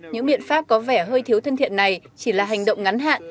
những biện pháp có vẻ hơi thiếu thân thiện này chỉ là hành động ngắn hạn